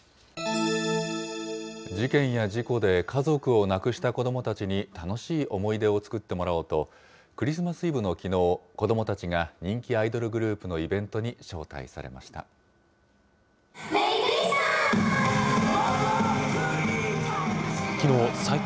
事件や事故で家族を亡くした子どもたちに楽しい思い出を作ってもらおうと、クリスマスイブのきのう、子どもたちが人気アイドルグループのイベントに招待されました。